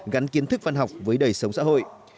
gắn kiến thức văn học với đời sống xã hội